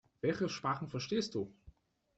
Welche Sprachen verstehst du?